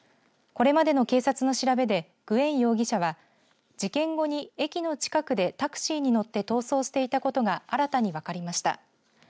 これまでの警察の調べでグエン容疑者は事件後に駅の近くでタクシーに乗って逃走していたことが新たに分かりました。